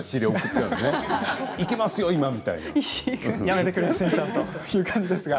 いけますよ、今みたいな感じで。